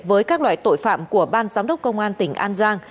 với các loại tội phạm của ban giám đốc công an tỉnh an giang